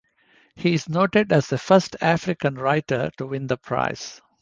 He is noted as the first African writer to win the prize.